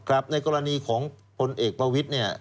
ครับในกรณีของคนเอกเบาวิทย์เนี่ย